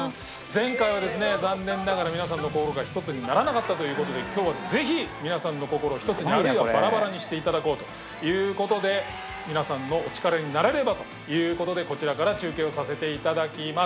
前回はですね残念ながら皆さんの心がひとつにならなかったという事で今日はぜひ皆さんの心をひとつにあるいはバラバラにして頂こうという事で皆さんのお力になれればという事でこちらから中継をさせて頂きます。